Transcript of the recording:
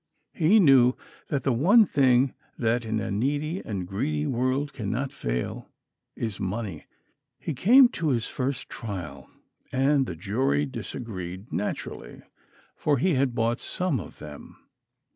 He knew that the one thing that in a needy and greedy world cannot fail is money. He came to his first trial, and the jury disagreed: naturally, for he had bought some of them.